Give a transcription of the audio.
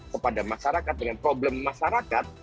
kepada masyarakat dengan problem masyarakat